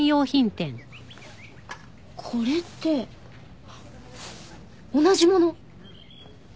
これって同じもの。